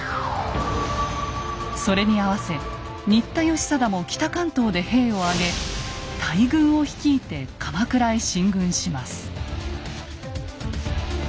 それに合わせ新田義貞も北関東で兵を挙げ大軍を率いて鎌倉へ進軍します。